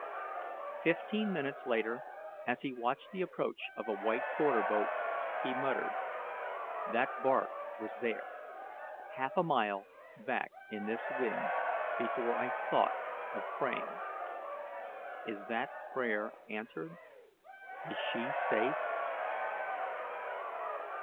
Fifteen minutes later as he watched the approach of a white quarter boat, he muttered: "That bark was there half a mile back in this wind before I thought of praying. Is that prayer answered? Is she safe?"